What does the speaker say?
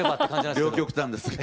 両極端です。